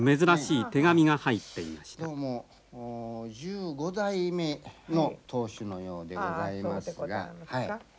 どうも１５代目の当主のようでございますが。